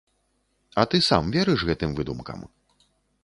А ты сам верыш гэтым выдумкам?